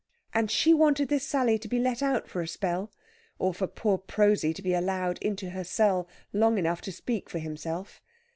And she wanted this Sally to be let out for a spell, or for poor Prosy to be allowed into her cell long enough to speak for himself.